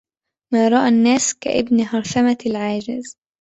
ما رأى الناس كابن هرثمة العاجز